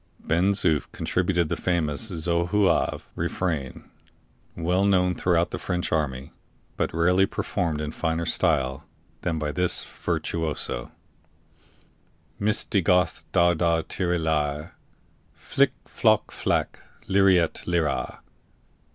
Ben Zoof contributed the famous Zouave refrain, well known throughout the French army, but rarely performed in finer style than by this virtuoso: _"Misti goth dar dar tire lyre! Flic! floc! flac! lirette, lira!